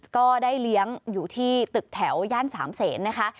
ก็ได้เลี้ยงอยู่ที่ตึกแถวย่านสามเศษนะคะ